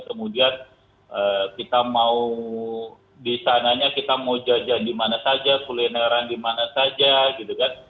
kemudian kita mau di sananya kita mau jajan dimana saja kulineran di mana saja gitu kan